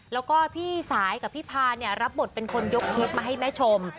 แล้วก็พี่สายกับพี่พาเนี่ยรับบทเป็นคนยกเค้กมาให้แม่ชม